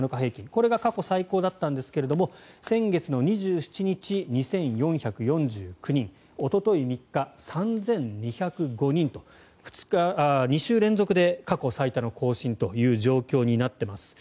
これが過去最高だったんですが先月２７日、２４４９人おととい３日３２０５人と２週連続で過去最多の更新という状況になっています。